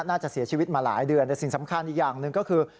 น่าจะเสียชีวิตมาหลายเดือนแต่สิ่งสำคัญอีกอย่างหนึ่งก็คือ